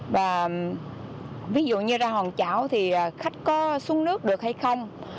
và ví dụ như ra hòn chảo thì khách có xuống nước được hay không